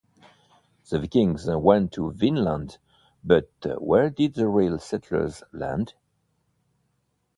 The Vikings went to Vinland, but where did the real settlers land?